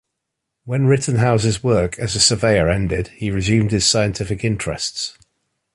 When Rittenhouse's work as a surveyor ended, he resumed his scientific interests.